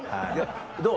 どう？